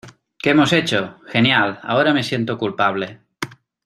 ¿ Qué hemos hecho? Genial, ahora me siento culpable.